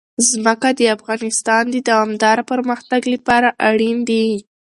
ځمکه د افغانستان د دوامداره پرمختګ لپاره اړین دي.